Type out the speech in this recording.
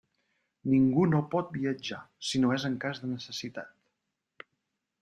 Ningú no pot viatjar, si no és en cas de necessitat.